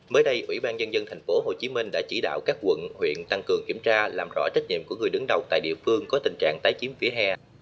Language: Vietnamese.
mới đây ủy ban nhân dân tp hcm đã chỉ đạo các quận huyện tăng cường kiểm tra làm rõ trách nhiệm của người đứng đầu tại địa phương có tình trạng tái chiếm vỉa hè